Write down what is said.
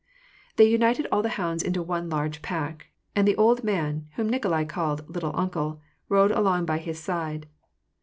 They united all the hounds into one large pack, and the old man, whom Nikolai called ^^ little uncle," rode along by his side.